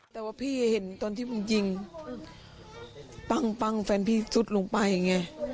แต่ว่าพี่เห็นตอนที่มึงยิงปั้งปั้งแฟนพี่สุดลงไปไง